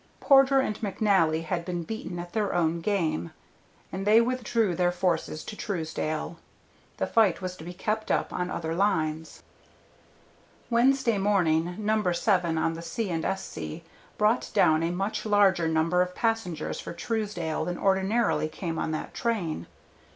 Porter and McNally had been beaten at their own game, and they withdrew their forces to Truesdale. The fight was to be kept up on other lines. Wednesday morning, No. 7 on the C. & S.C. brought down a much larger number of passengers for Truesdale than ordinarily came on that train.